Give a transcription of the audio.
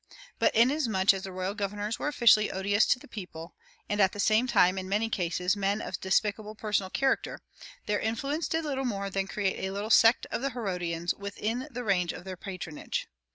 But inasmuch as the royal governors were officially odious to the people, and at the same time in many cases men of despicable personal character, their influence did little more than create a little "sect of the Herodians" within the range of their patronage.